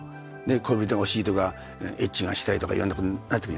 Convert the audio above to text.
恋人が欲しいとかエッチがしたいとかいろんなことになってくる。